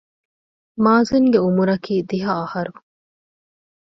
މާޒިންގެ އުމުރަކީ ދިހަ އަހަރު